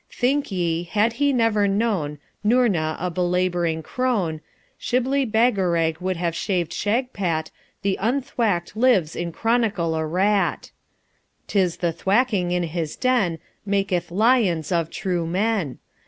Think ye, had he never known Noorna a belabouring crone, Shibli Bagarag would have shaved Shagpat The unthwack'd lives in chronicle a rat! 'Tis the thwacking in this den Maketh lions of true men!